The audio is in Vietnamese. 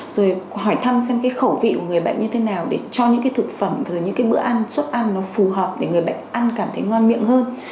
rồi hỏi thăm xem cái khẩu vị của người bệnh như thế nào để cho những cái thực phẩm rồi những cái bữa ăn suất ăn nó phù hợp để người bệnh ăn cảm thấy ngon miệng hơn